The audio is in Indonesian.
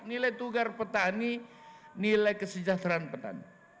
nilai tukar petani nilai kesejahteraan petani